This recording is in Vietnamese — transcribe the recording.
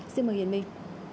xin mời hiền minh